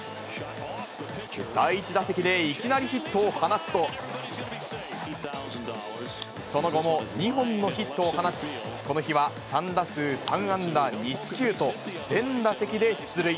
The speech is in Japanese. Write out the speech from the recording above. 第１打席でいきなりヒットを放つと、その後も２本のヒットを放ち、この日は３打数３安打２四球と、全打席で出塁。